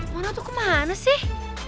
mona tuh kemana sih